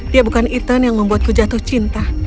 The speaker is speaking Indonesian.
dia bukan ethan yang membuatku jatuh cinta